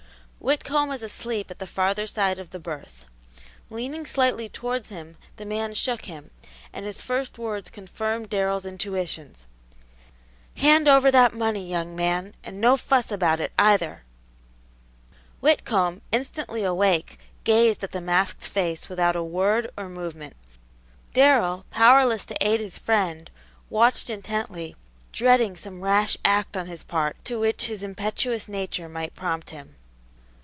Whitcomb was asleep at the farther side of his berth. Leaning slightly towards him, the man shook him, and his first words confirmed Darrell's intuitions, "Hand over that money, young man, and no fuss about it, either!" Whitcomb, instantly awake, gazed at the masked face without a word or movement. Darrell, powerless to aid his friend, watched intently, dreading some rash act on his part to which his impetuous nature might prompt him.